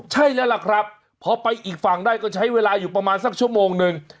ใช่แล้วล่ะครับพอไปอีกฝั่งได้ก็ใช้เวลาอยู่ประมาณสักชั่วโมงหนึ่ง